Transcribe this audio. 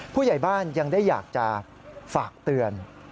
ผู้ใหญ่บ้านยังได้อยากจะฝากเตือน